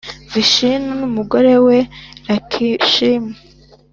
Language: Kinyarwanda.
vishinu, n’umugore we lakishimi,